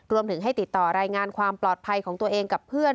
รวมถึงให้ติดต่อรายงานความปลอดภัยของตัวเองกับเพื่อน